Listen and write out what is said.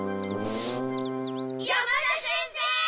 山田先生！